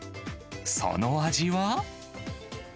その味は。